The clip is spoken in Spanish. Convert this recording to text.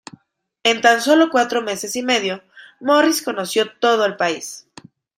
En tan solo cuatro meses y medio, Morris conoció todo el país.